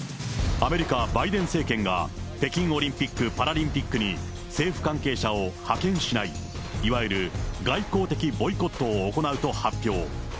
アメリカ、バイデン政権が北京オリンピック・パラリンピックに、政府関係者を派遣しない、いわゆる外交的ボイコットを行うと発表。